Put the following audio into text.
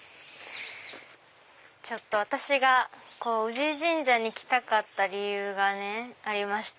ちょっと私が宇治神社に来たかった理由がありまして。